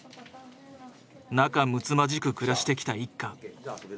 仲むつまじく暮らしてきた一家。